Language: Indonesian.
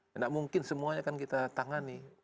tidak mungkin semuanya akan kita tangani